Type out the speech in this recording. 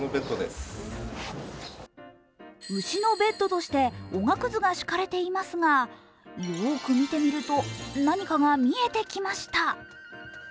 牛のベッドとしておがくずが敷かれていますが、よーく見てみると、何かが見えてきました。